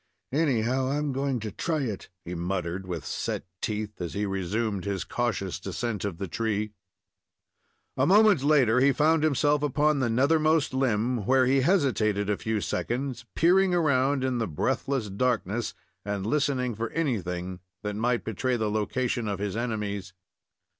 "Anyhow, I am going to try it," he muttered, with set teeth, as he resumed his cautious descent of the tree. A moment later he found himself upon the nethermost limb, where he hesitated a few seconds, peering around in the breathless darkness and listening for anything that might betray the location of his enemies.